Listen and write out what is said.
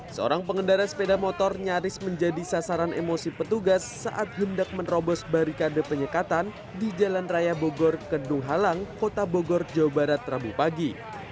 seorang pengendara sepeda motor nyaris menjadi sasaran emosi petugas saat hendak menerobos barikade penyekatan di jalan raya bogor kedung halang kota bogor jawa barat rabu pagi